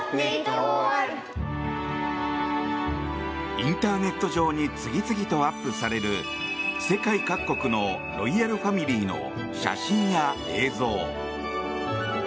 インターネット上に次々とアップされる世界各国のロイヤルファミリーの写真や映像。